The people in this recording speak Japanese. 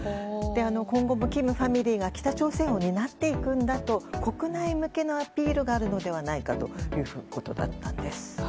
今後も金ファミリーが北朝鮮を担っていくんだと国内向けのアピールがあるのではないかということだったんです。